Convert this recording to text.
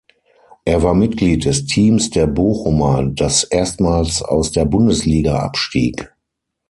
Er war Mitglied des Teams der Bochumer, das erstmals aus der Bundesliga abstieg.